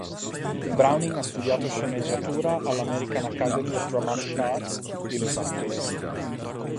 Browning ha studiato sceneggiatura alla American Academy of Dramatic Arts di Los Angeles.